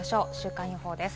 週間予報です。